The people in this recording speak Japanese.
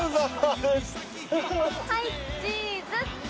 はいチーズ！